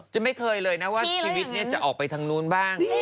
จะไม่เคยเลยนะว่าชีวิตนี้จะออกไปทางนู้นบ้าง